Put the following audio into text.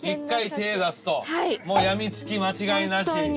１回手ぇ出すともう病みつき間違いなし？